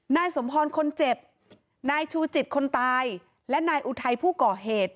นายสมพรคนเจ็บนายชูจิตคนตายและนายอุทัยผู้ก่อเหตุ